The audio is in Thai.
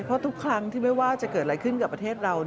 เพราะทุกครั้งที่ไม่ว่าจะเกิดอะไรขึ้นกับประเทศเรา